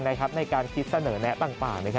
ในการคิดเสนอแนะต่าง